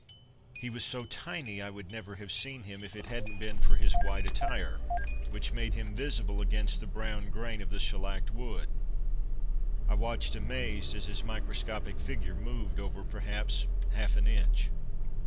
He was so tiny I would never have seen him if it hadn't been for his white attire, which made him visible against the brown grain of the shellacked wood. I watched, amazed as his microscopic figure moved over perhaps half an inch.